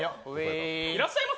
いらっしゃいませ。